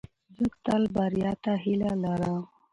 زه تل بریا ته هیله لرم.